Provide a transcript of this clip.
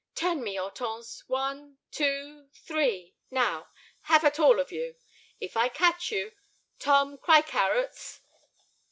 "Turn me, Hortense; one, two, three. Now—have at all of you. If I catch you—Tom—cry carrots."